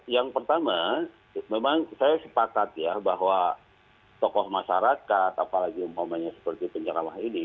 yang pertama memang saya sepakat ya bahwa tokoh masyarakat apalagi umumnya seperti penceramah ini